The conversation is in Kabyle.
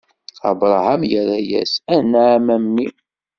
Abṛaham irra-yas: Anɛam, a mmi!